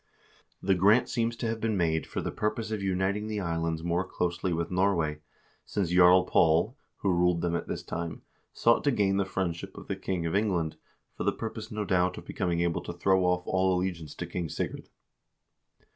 The grant seems to have been made for the purpose of uniting the islands more closely with Norway, since Jarl Paul, who ruled them at this time, sought to gain the friendship of the king of England, for the purpose, no doubt, of becoming able to throw off all allegiance to King Sigurd.